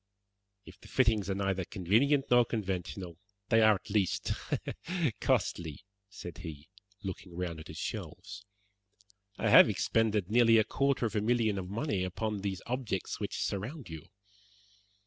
"If the fittings are neither convenient nor conventional, they are at least costly," said he, looking round at his shelves. "I have expended nearly a quarter of a million of money upon these objects which surround you.